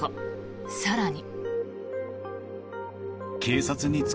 更に。